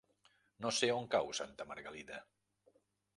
No sé on cau Santa Margalida.